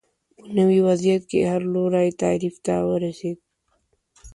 په نوي وضعیت کې هر لوری تعریف ته ورسېد